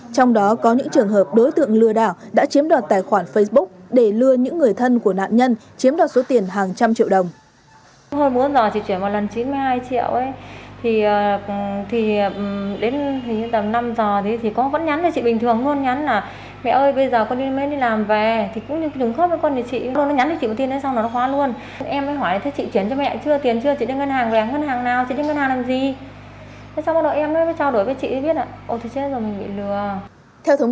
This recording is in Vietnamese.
trong đó có những trường hợp đối tượng lừa đảo đã chiếm đoạt tài khoản facebook để lừa những người thân của nạn nhân chiếm đoạt số tiền hàng trăm triệu đồng